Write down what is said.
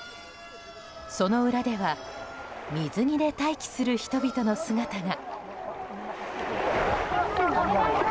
その裏では水着で待機する人々の姿が。